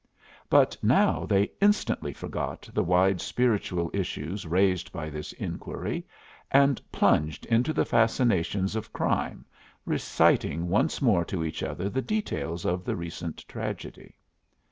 But now they instantly forgot the wide spiritual issues raised by this inquiry, and plunged into the fascinations of crime, reciting once more to each other the details of the recent tragedy.